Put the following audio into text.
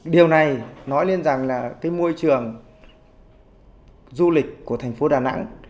điều này nói lên rằng là cái môi trường du lịch của thành phố đà nẵng